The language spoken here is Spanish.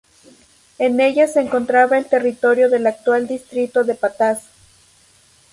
En ella se encontraba el territorio del actual distrito de Pataz.